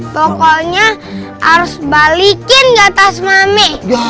pokoknya harus balikin gak atas mame